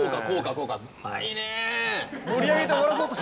うまいね！